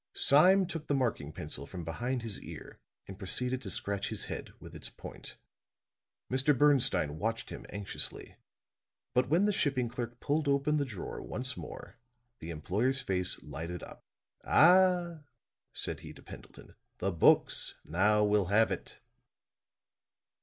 Sime took the marking pencil from behind his ear and proceeded to scratch his head with its point. Mr. Bernstine watched him anxiously. But when the shipping clerk pulled open the drawer once more, the employer's face lighted up. "Ah!" said he to Pendleton. "The books! Now we'll have it."